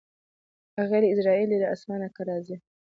راغلی عزراییل دی له اسمانه که راځې